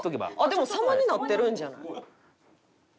でも様になってるんじゃない？